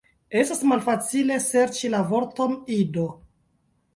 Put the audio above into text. Estas malfacile serĉi la vorton, Ido